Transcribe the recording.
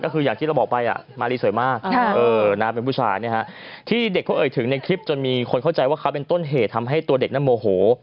เคยถึงในคลิปจนมีคนเข้าใจว่าเขาเป็นต้นเหตุทำให้ตัวเด็กนั้นโมโห